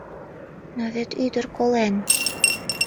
«Но вет ӱдыр колен».